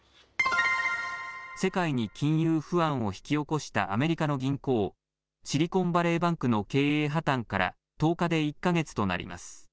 世界に金融不安を引き起こしたアメリカの銀行、シリコンバレーバンクの経営破綻から１０日で１か月となります。